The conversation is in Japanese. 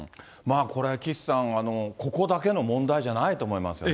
これは岸さん、ここだけの問題じゃないと思いますよね。